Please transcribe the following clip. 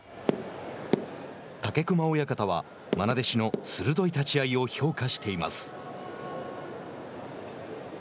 武隈親方は、まな弟子の鋭い立ち合いを評価しています。